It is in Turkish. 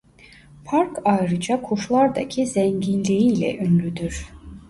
Park ayrıca kuşlardaki zenginliği ile ünlüdür.